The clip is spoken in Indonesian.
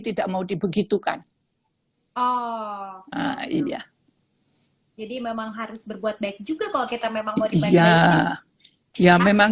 tidak mau dibegitukan oh iya jadi memang harus berbuat baik juga kalau kita memang mau dimensi ya memang